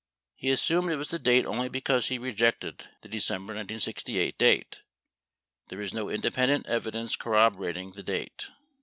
He assumed it was the date only because he rejected the De cember 1968 date. There is no independent evidence corroborating the date.